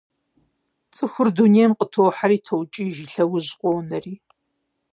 ЦӀыхур дунейм къытохьэри токӀыж и лъэужь къонэри.